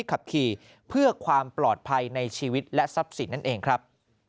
ขับขี่เพื่อความปลอดภัยในชีวิตและทรัพย์สินนั่นเองครับ